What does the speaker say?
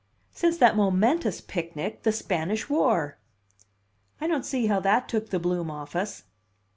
"Since that momentous picnic, the Spanish War!" "I don't see how that took the bloom off us."